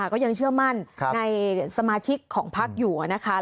ก็ยังเชื่อมั่นในสมาชิกของพักอยู่นะคะ